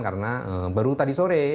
karena baru tadi sore